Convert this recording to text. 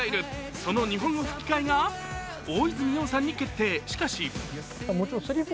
その日本語吹き替えが大泉洋さんに決定。